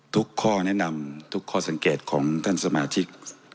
ข้อแนะนำทุกข้อสังเกตของท่านสมาชิก